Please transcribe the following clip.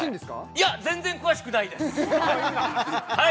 いや全然詳しくないですはい！